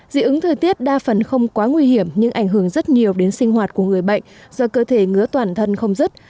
dị ứng thời tiết đa phần không quá nguy hiểm nhưng ảnh hưởng rất nhiều đến sinh hoạt của người bệnh do cơ thể ngứa toàn thân không rứt